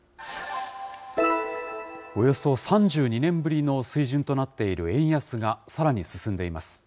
およそ３２年ぶりの水準となっている円安が、さらに進んでいます。